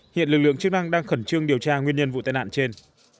hiện lực lượng chức năng đang khẩn trương điều tra nguyên nhân vụ tai nạn trên